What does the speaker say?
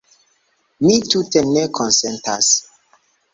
Mi tute ne konsentas.